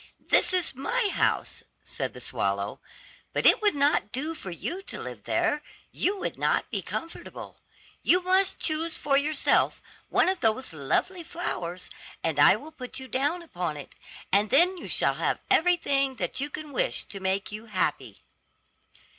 "This is my house," said the swallow; "but it would not do for you to live there you would not be comfortable. You must choose for yourself one of those lovely flowers, and I will put you down upon it, and then you shall have everything that you can wish to make you happy."